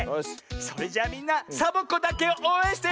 それじゃみんなサボ子だけをおうえんしてよ！